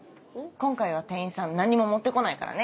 今回は店員さん何にも持ってこないからね。